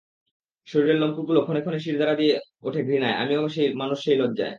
শরীরের লোমকূপগুলো ক্ষণে ক্ষণে শিরদাঁড়া দিয়ে ওঠে ঘৃণায়, আমিও মানুষ সেই লজ্জায়।